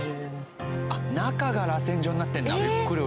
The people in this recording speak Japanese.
中がらせん状になってるんだ！